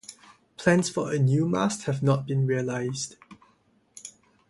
Plans for a new mast have not been realized.